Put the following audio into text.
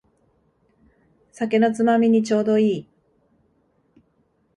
酒のつまみにちょうどいい